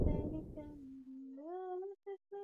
unatakiwa kufanya utekelezaji kwa kujaza nakala zinazofaa